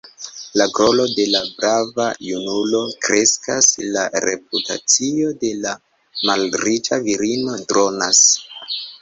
La gloro de la brava junulo kreskas; la reputacio de la malriĉa virino dronas.